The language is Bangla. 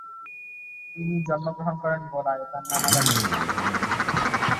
তিনি জন্মগ্রহণ করেন ভোলায় তার নানা বাড়িতে।